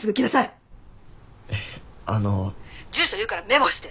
「住所言うからメモして！」